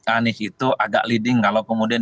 anies itu agak leading kalau kemudian